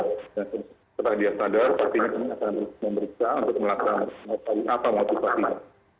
setelah dia sadar partinya akan memberiksa untuk melakukan apa yang diperhatikan